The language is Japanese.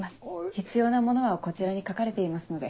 必要なものはこちらに書かれていますので。